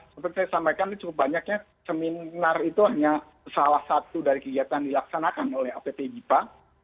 seperti saya sampaikan cukup banyaknya seminar itu hanya salah satu dari kegiatan dilaksanakan oleh app bipa